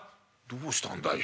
「どうしたんだい。